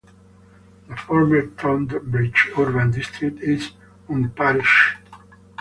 The former Tonbridge Urban District is unparished.